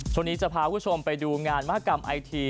ช่วงนี้จะพาคุณผู้ชมไปดูงานมหากรรมไอที